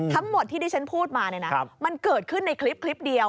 ทั้งหมดที่ที่ฉันพูดมาเนี่ยนะมันเกิดขึ้นในคลิปเดียว